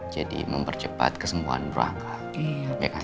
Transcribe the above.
jadi mempercepat kesembuhan berangkat